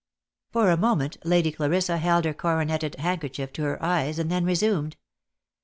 For a moment Lady Clarissa held her coroneted handkerchief to her eyes, and then resumed.